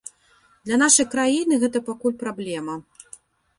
Для нашай краіны гэта пакуль праблема.